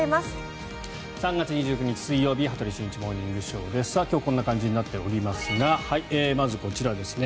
３月２９日、水曜日「羽鳥慎一モーニングショー」。今日はこんな感じになっておりますがまずこちらですね。